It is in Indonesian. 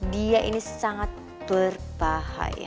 dia ini sangat berbahaya